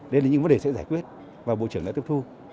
đây là những vấn đề sẽ giải quyết và bộ trưởng đã tiếp thu